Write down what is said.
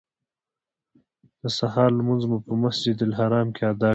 د سهار لمونځ مو په مسجدالحرام کې ادا کړ.